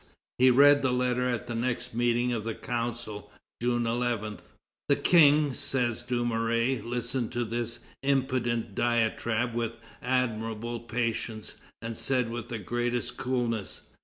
He read the letter at the next meeting of the Council, June 11. "The King," says Dumouriez, "listened to this impudent diatribe with admirable patience, and said with the greatest coolness: 'M.